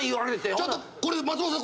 ちょっと松本さん